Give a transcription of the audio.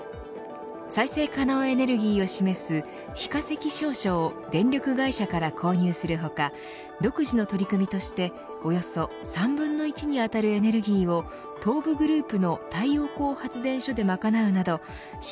再生可能エネルギーを示す非化石証書を電力会社から購入する他独自の取り組みとしておよそ３分の１に当たるエネルギーを東武グループの太陽光発電所でまかなうなど